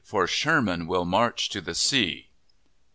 For Sherman will march to the sea!"